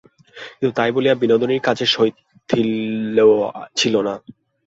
কিন্তু তাই বলিয়া বিনোদিনীর কাজে শৈথিল্য ছিল না।